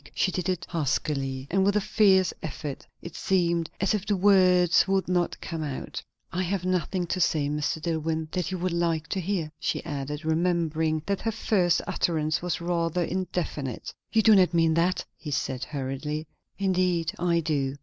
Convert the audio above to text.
She did it huskily, and with a fierce effort. It seemed as if the words would not come out. "I have nothing to say, Mr. Dillwyn, that you would like to hear," she added, remembering that her first utterance was rather indefinite. "You do not mean that?" he said hurriedly. "Indeed I do."